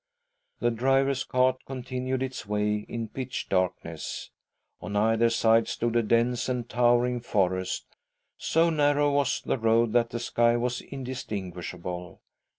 The driver's cart continued its way in pitch darkness. On either side stood a dense and tower ing forest ; so narrow was the road that the sky was indistinguishable.